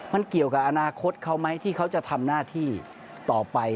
มันเกี่ยวกับอนาคตเขาไหมที่เขาจะทำหน้าที่ต่อไป